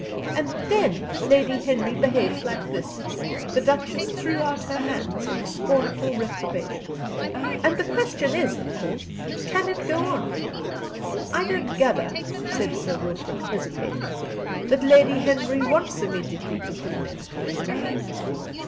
And then Lady Henry behaves like this!" The Duchess threw out her hands in scornful reprobation. "And the question is, of course, Can it go on?" "I don't gather," said Sir Wilfrid, hesitating, "that Lady Henry wants immediately to put an end to it."